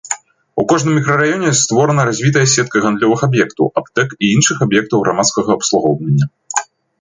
У кожным мікрараёне створана развітая сетка гандлёвых аб'ектаў, аптэк і іншых аб'ектаў грамадскага абслугоўвання.